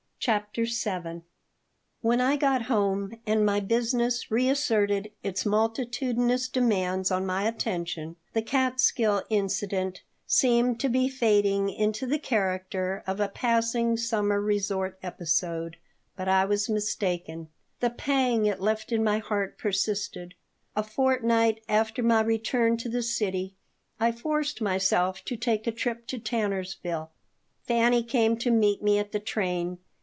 CHAPTER VII WHEN I got home and my business reasserted its multitudinous demands on my attention, the Catskill incident seemed to be fading into the character of a passing summer resort episode, but I was mistaken; the pang it left in my heart persisted A fortnight after my return to the city I forced myself to take a trip to Tannersville. Fanny came to meet me at the train.